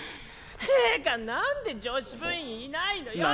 てか何で女子部員いないのよ！